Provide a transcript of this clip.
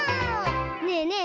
ねえねえ！